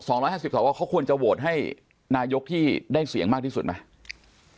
ร้อยห้าสิบสวเขาควรจะโหวตให้นายกที่ได้เสียงมากที่สุดไหม